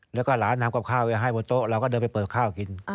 แล้วก็หลานทำกับข้าวไปให้บนโต๊ะเราก็เดินไปเปิดข้าวกิน